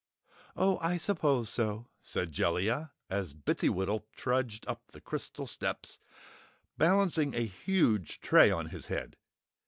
"Oh, I suppose so," said Jellia, as Bittsywittle trudged up the crystal steps balancing a huge tray on his head.